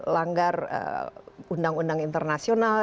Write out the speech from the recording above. langgar undang undang internasional